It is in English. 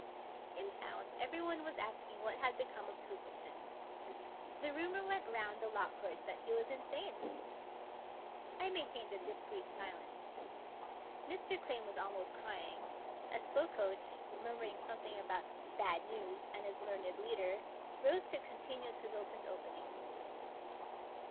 In town everyone was asking what had become of Twis tleton. The rumor went round the law courts that he was insane. I maintained a discreet silence. Mr. Clame was almost crying, as Slokoach, murmuring something about " bad news, and his learned leader," rose to continue Twis tleton's opening.